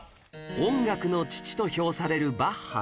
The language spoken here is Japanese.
音楽の父と評されるバッハ